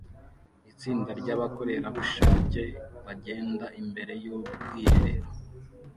Itsinda ryabakorerabushake bagenda imbere yubwiherero